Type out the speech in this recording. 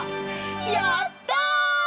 やった！